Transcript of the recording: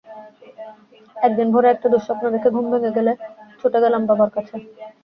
একদিন ভোরে একটা দুঃস্বপ্ন দেখে ঘুম ভেঙে গেলে ছুটে গেলাম বাবার কাছে।